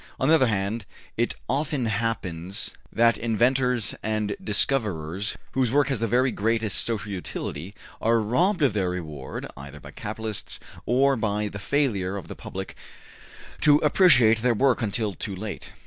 On the other hand, it often happens that inventors and discoverers, whose work has the very greatest social utility, are robbed of their reward either by capitalists or by the failure of the public to appreciate their work until too late.